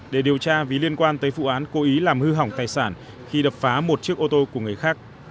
để điều tra vì liên quan tới vụ án cố ý làm hư hỏng tài sản khi đập phá một chiếc ô tô của người khác